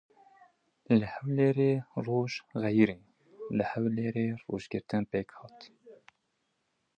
Li Hewlêrê rojgirtin pêk hat.